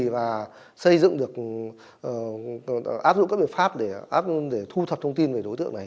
và xây dựng được áp dụng các biện pháp để thu thập thông tin về đối tượng này